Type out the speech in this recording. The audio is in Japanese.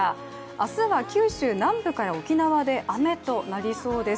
明日は九州南部から沖縄で雨となりそうです。